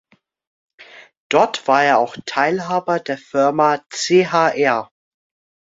Dort war er auch Teilhaber der Firma Chr.